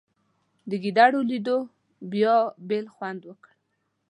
د ګېډړو لیدو بیا بېل خوند وکړ.